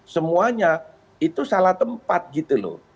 semuanya itu salah tempat gitu loh